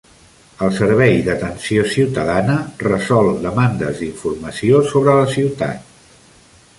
El Servei d'Atenció ciutadana resol demandes d'informació sobre la ciutat.